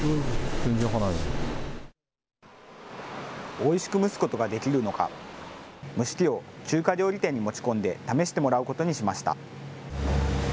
おいしく蒸すことができるのか、蒸し器を中華料理店に持ち込んで試してもらうことにしました。